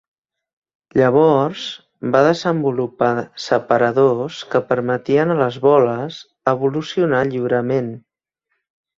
Llavors, va desenvolupar separadors que permetien a les boles evolucionar lliurement.